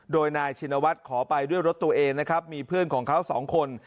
โดยนายชินวัฒน์ขอไปด้วยรถตัวเองนะครับมีเพื่อนของเขาสองคน